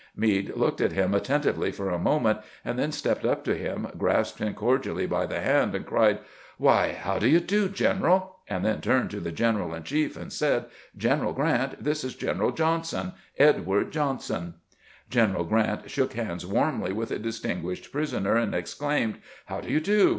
Meade looked at him attentively for a moment, and then stepped up to him, grasped him cordially by the hand, and cried, "Why, how do you do, general?" and then turned to the general in chief and said, " General Grant, this is General Johnson — Edward Johnson." General Grant shook hands warmly with the distinguished prisoner, and exclaimed, "How do you do?